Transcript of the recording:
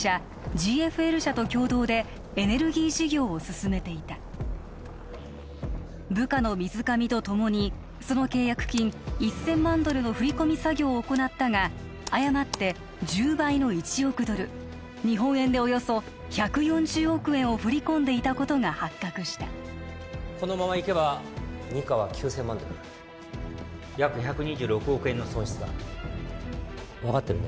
ＧＦＬ社と共同でエネルギー事業を進めていた部下の水上とともにその契約金１千万ドルの振り込み作業を行ったが誤って１０倍の１億ドル日本円でおよそ１４０億円を振り込んでいたことが発覚したこのままいけば２課は９千万ドル約１２６億円の損失だ分かってるね